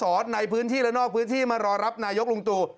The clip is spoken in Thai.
ในพื้นที่และนอกพื้นที่มารอรับนายกลุงตู่